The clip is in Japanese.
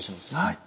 はい。